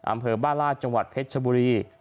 อำเภอบ้านลาดจังหวัดเพชรชบุรี